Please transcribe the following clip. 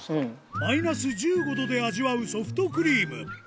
マイナス１５度で味わうソフトクリーム。